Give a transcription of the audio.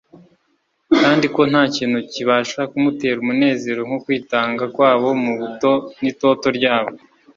kandi ko nta kintu kibasha kumutera umunezero nko kwitanga kwabo, mu buto n'itoto ryabo.